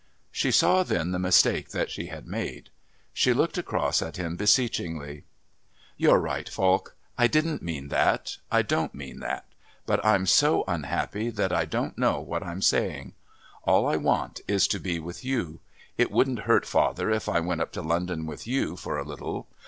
She saw then the mistake that she had made. She looked across at him beseechingly. "You're right, Falk. I didn't mean that, I don't mean that. But I'm so unhappy that I don't know what I'm saying. All I want is to be with you. It wouldn't hurt father if I went up to London with you for a little.